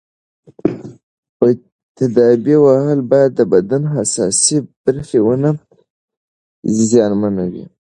تاديبي وهل باید د بدن حساسې برخې ونه زیانمنوي.